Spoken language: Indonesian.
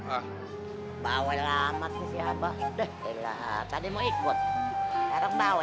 bawel amat nih si abang deh elah tadi mau ikut harap bawel